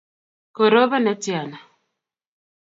korobon netyana?